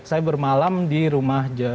saya bermalam di rumah